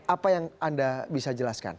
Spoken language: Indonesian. apa yang anda bisa jelaskan